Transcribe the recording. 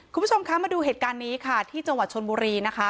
คุณผู้ชมคะมาดูเหตุการณ์นี้ค่ะที่จังหวัดชนบุรีนะคะ